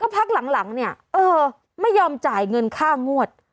พักหลังเนี่ยเออไม่ยอมจ่ายเงินค่างวด